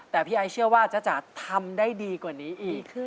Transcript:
แต่พี่ไอเชื่อว่าจ๊ะจ๋าทำได้ดีกว่านี้อีก